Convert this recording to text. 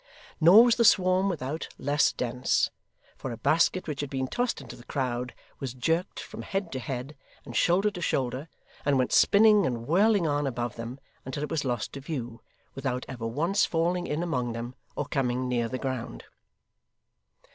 Nor was the swarm without less dense; for a basket which had been tossed into the crowd, was jerked from head to head, and shoulder to shoulder, and went spinning and whirling on above them, until it was lost to view, without ever once falling in among them or coming near the ground.